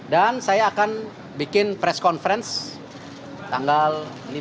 dan saya akan bikin press conference tanggal lima belas